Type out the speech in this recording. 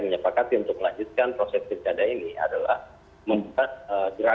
menyepakati untuk melanjutkan proses pilkada ini adalah membuat gerakan